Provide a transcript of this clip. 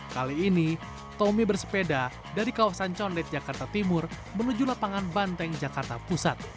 kali ini tommy bersepeda dari kawasan condet jakarta timur menuju lapangan banteng jakarta pusat